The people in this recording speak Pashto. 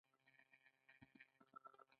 هغه د ناپلیون دوه مجسمې اخیستې وې.